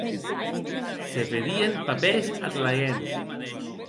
Se vedien papèrs ath laguens.